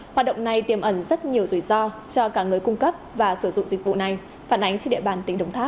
hoạt động này tiêm ẩn rất nhiều rủi ro cho cả người cung cấp và sử dụng dịch vụ này phản ánh trên địa bàn tỉnh đồng tháp